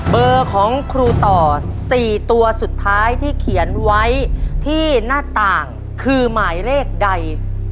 เบอร์ของครูต่อ๔ตัวสุดท้ายที่เขียนไว้ที่หน้าต่างคือหมายเลขใด